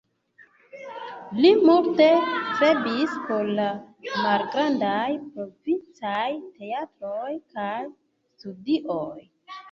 Li multe strebis por la malgrandaj provincaj teatroj kaj studioj.